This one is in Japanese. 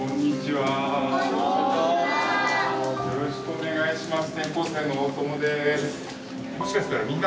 よろしくお願いします。